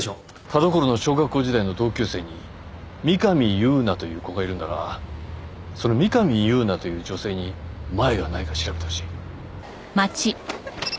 田所の小学校時代の同級生に三上夕菜という子がいるんだがその三上夕菜という女性にマエがないか調べてほしい。